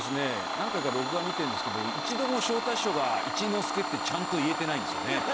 何回か録画見てんですけど一度も昇太師匠が「一之輔」ってちゃんと言えてないんですよね。